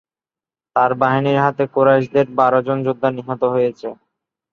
তার বাহিনীর হাতে কুরাইশদের বারজন যোদ্ধা নিহত হয়েছে।